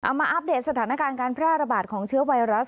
มาอัปเดตสถานการณ์การแพร่ระบาดของเชื้อไวรัส